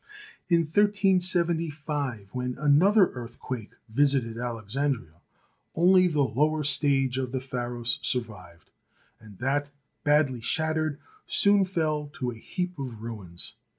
In 1375, when another earthquake visited Alexandria, only the lower stage of the Pharos survived, and that, badly shattered, soon fell to a heap of ruins.